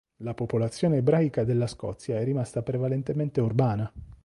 La popolazione ebraica della Scozia è rimasta prevalentemente urbana.